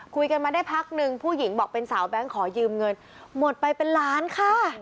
คุยกันมาได้พักนึงผู้หญิงบอกเป็นสาวแบงค์ขอยืมเงินหมดไปเป็นล้านค่ะ